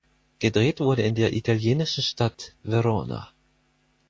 Gedreht wurde in der italienischen Stadt Verona.